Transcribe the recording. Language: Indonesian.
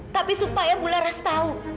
tapi supaya bularas tahu